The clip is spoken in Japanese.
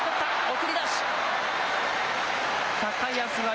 送り出し。